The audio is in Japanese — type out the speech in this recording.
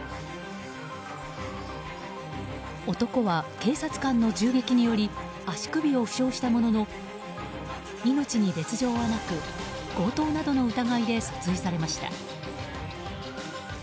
男は警察官の銃撃により足首を負傷したものの命に別条はなく強盗などの疑いで訴追されました。